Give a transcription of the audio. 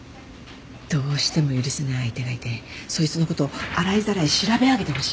どうしても許せない相手がいてそいつのことを洗いざらい調べ上げてほしいの。